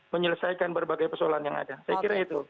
menyelesaikan berbagai persoalan yang ada saya kira itu